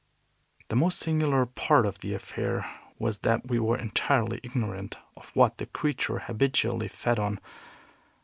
The most singular part of the affair was that we were entirely ignorant of what the creature habitually fed on.